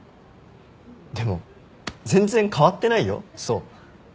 でも全然変わってないよ想。